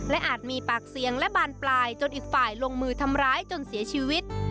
อาจมีปากเสียงและบานปลายจนอีกฝ่ายลงมือทำร้ายจนเสียชีวิต